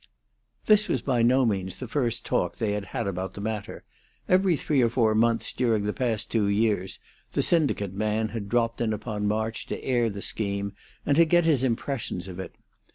This was by no means the first talk they had had about the matter; every three or four months during the past two years the syndicate man had dropped in upon March to air the scheme and to get his impressions of it.